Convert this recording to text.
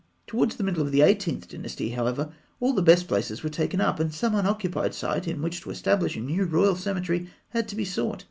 Towards the middle of the Eighteenth Dynasty, however, all the best places were taken up, and some unoccupied site in which to establish a new royal cemetery had to be sought.